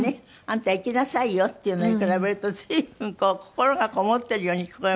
「あんた生きなさいよ」っていうのに比べると随分心がこもってるように聞こえますよね。